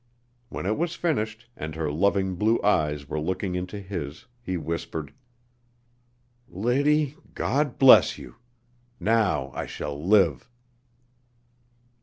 When it was finished, and her loving blue eyes were looking into his, he whispered: "Liddy, God bless you! Now I shall live."